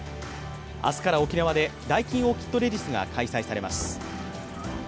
明日から沖縄でダイキンオーキッドレディスが開催されます。